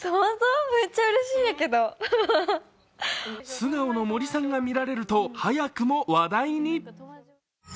素顔の森さんが見られると早くも話題に。